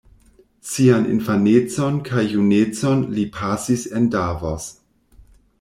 Sian infanecon kaj junecon li pasis en Davos.